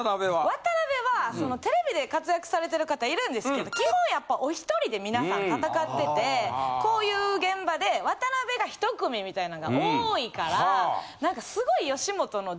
ワタナベはテレビで活躍されてる方いるんですけど基本やっぱおひとりで皆さん戦っててこういう現場でワタナベが１組みたいなんが多いから何かすごい吉本の。